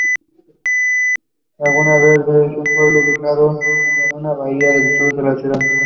Laguna Verde es un pueblo ubicado en una bahía al sur de la ciudad.